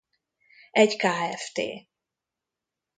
Egy kft.